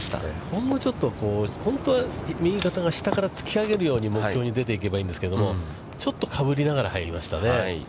ほんのちょっと右肩が下から突き上げるように出ていけばいいんですけど、ちょっとかぶりながら入りましたね。